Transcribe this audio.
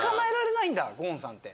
ゴーンさんって。